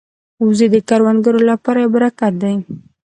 وزې د کروندګرو لپاره یو برکت دي